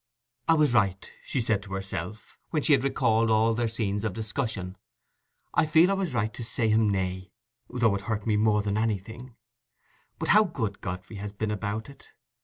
"I was right," she said to herself, when she had recalled all their scenes of discussion—"I feel I was right to say him nay, though it hurt me more than anything; but how good Godfrey has been about it!